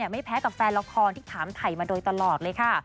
ไม่แพ้กับแฟนละครที่ถามถ่ายมาโดยตลอดเลยค่ะ